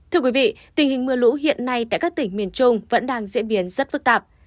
thưa quý vị tình hình mưa lũ hiện nay tại các tỉnh miền trung vẫn đang diễn biến rất phức tạp